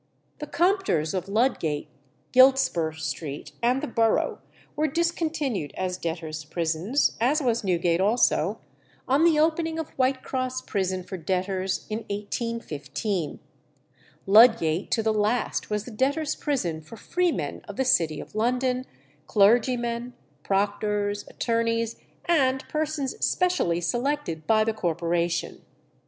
The compters of Ludgate, Giltspur Street, and the Borough were discontinued as debtors' prisons (as was Newgate also) on the opening of Whitecross prison for debtors in 1815. Ludgate to the last was the debtors' prison for freemen of the city of London, clergymen, proctors, attorneys, and persons specially selected by the Corporation.